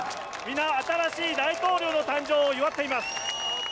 皆、新しい大統領の誕生を祝っています。